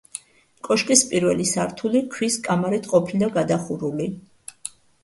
კოშკის პირველი სართული ქვის კამარით ყოფილა გადახურული.